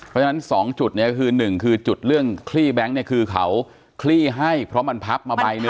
เพราะฉะนั้น๒จุดเนี่ยก็คือหนึ่งคือจุดเรื่องคลี่แบงค์เนี่ยคือเขาคลี่ให้เพราะมันพับมาใบหนึ่ง